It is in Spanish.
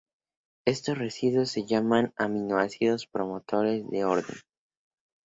Estos residuos se llaman aminoácidos promotores de orden.